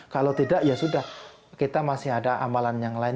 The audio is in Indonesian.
kalau tidak ya sudah kita masih ada amalan yang lain